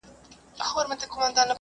زه سپينکۍ مينځلي دي!.